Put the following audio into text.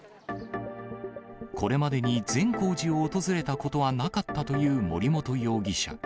これまでに善光寺を訪れたことはなかったという森本容疑者。